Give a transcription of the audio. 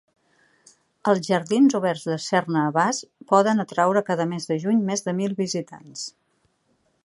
Els jardins oberts de Cerne Abbas poden atraure cada mes de juny més de mil visitants.